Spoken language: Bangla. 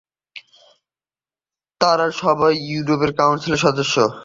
তারা সবাই ইউরোপীয় কাউন্সিলের সদস্য।